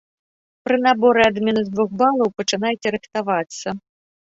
Пры наборы ад мінус двух балаў пачынайце рыхтавацца.